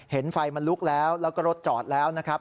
เห็นไฟมันลุกแล้วแล้วก็รถจอดแล้วนะครับ